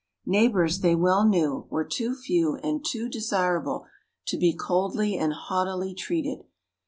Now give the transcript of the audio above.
Neighbours, they well knew, were too few and too desirable to be coldly and haughtily treated.